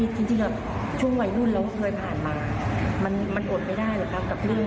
ชุดแดงเหมือนที่พ่อชุดแดง